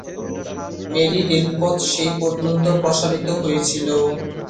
Mary রেলপথ সেই পর্যন্ত প্রসারিত হয়েছিল।